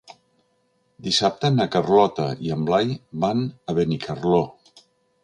Dissabte na Carlota i en Blai van a Benicarló.